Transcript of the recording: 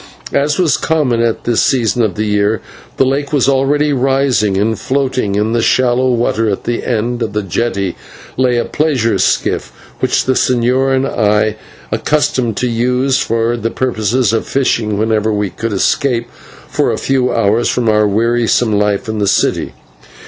As was common at this season of the year, the lake was already rising, and floating in the shallow water at the end of the jetty lay a pleasure skiff which the señor and I were accustomed to use for the purpose of fishing whenever we could escape for a few hours from our wearisome life in the city.